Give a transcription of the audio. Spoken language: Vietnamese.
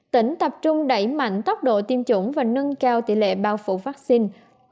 tỉnh tập trung đẩy mạnh tốc độ tiêm chủng và nâng cao tỷ lệ bao phủ vaccine